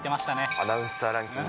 アナウンサーランキング